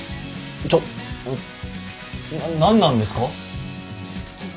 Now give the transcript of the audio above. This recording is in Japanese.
ちょっんっなっ何なんですか？